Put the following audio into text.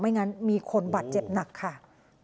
งั้นมีคนบาดเจ็บหนักค่ะ